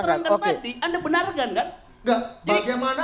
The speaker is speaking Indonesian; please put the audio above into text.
jadi yang saya tanya tadi anda benarkan kan